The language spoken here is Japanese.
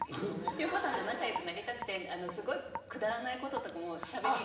ゆう子さんと仲よくなりたくてすごいくだらないこととかもしゃべり。